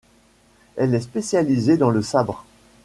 Elle est spécialisée dans le sabre.